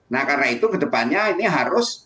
nah karena itu kedepannya ini harus